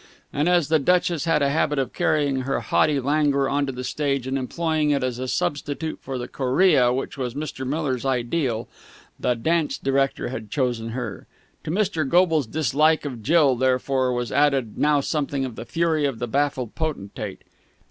And, as the Duchess had a habit of carrying her haughty languor on to the stage and employing it as a substitute for the chorea which was Mr. Miller's ideal, the dance director had chosen her. To Mr. Goble's dislike of Jill, therefore, was added now something of the fury of the baffled potentate.